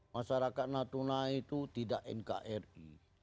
masyarakat natuna itu tidak nkri